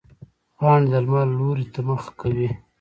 پاڼې د لمر لوري ته مخ کوي